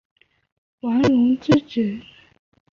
王隆之子。